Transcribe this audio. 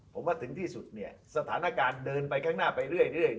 ผมว่าถึงที่สุดเนี่ยสถานการณ์เดินไปข้างหน้าไปเรื่อย